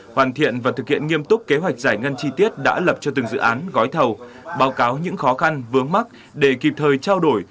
hoàn thiện và thực hiện nghiêm túc kế hoạch giải ngân chi tiết đã lập cho từng dự án gói thầu báo cáo những khó khăn vướng mắt để kịp thời trao đổi